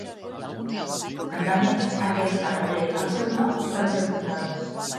Endemés, aquesta rebré el seu nom del seu fundador.